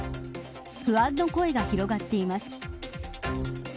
不安の声が広がっています。